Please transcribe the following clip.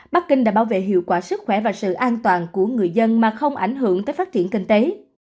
bắc kinh đã bảo vệ hiệu quả sức khỏe và sự an toàn của người dân mà không ảnh hưởng tới phát triển kinh tế